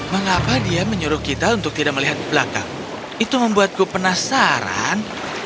mengapa dia menyuruh kita untuk tidak melihat belakang itu membuatku penasaran